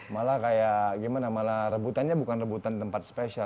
malah kayak gimana malah rebutannya bukan rebutan tempat spesial